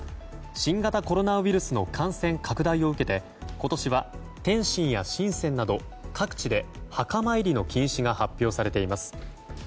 新型コロナウイルスの感染拡大を受けて今年は、天津やシンセンなど各地で墓参りの禁止が発表されています。